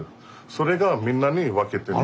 それがみんなに分けてる。